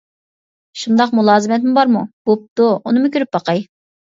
-شۇنداق مۇلازىمەتمۇ بارمۇ؟ بوپتۇ، ئۇنىمۇ كۆرۈپ باقاي.